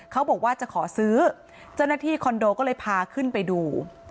เขาบอกว่าจะขอซื้อเจ้าหน้าที่คอนโดก็เลยพาขึ้นไปดู